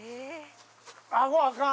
あごあかん。